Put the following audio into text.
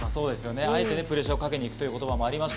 あえてプレッシャーをかけに行くという言葉もありました。